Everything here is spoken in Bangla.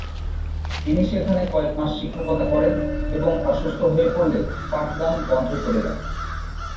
তিনি সেখানে কয়েক মাস শিক্ষকতা করেন এবং অসুস্থ হয়ে পড়লে পাঠদান বন্ধ করে দেন।